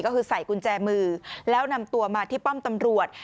ก็คือใส่กุญแจมือแล้วนำตัวมาที่ป้อมตำรวจ